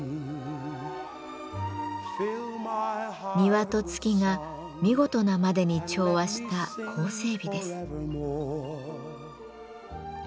庭と月が見事なまでに調和した構成美です。